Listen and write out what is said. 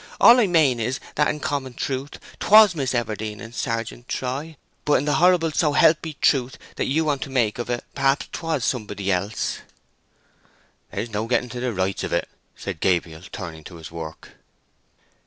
"All I mane is that in common truth 'twas Miss Everdene and Sergeant Troy, but in the horrible so help me truth that ye want to make of it perhaps 'twas somebody else!" "There's no getting at the rights of it," said Gabriel, turning to his work.